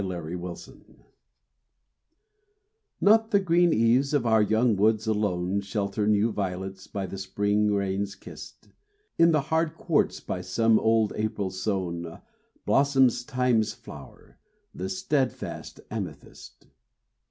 AMETHYSTS Not the green eaves of our young woods alone Shelter new violets, by the spring rains kissed; In the hard quartz, by some old April sown, Blossoms Time's flower, the steadfast amethyst.